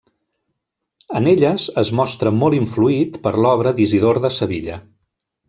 En elles es mostra molt influït per l'obra d'Isidor de Sevilla.